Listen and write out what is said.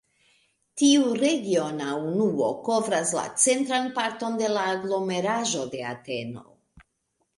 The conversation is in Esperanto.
Tiu regiona unuo kovras la centran parton de la aglomeraĵo de Ateno.